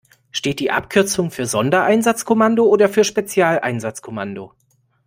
Steht die Abkürzung für Sondereinsatzkommando oder für Spezialeinsatzkommando?